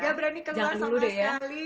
gak berani keluar sama sekali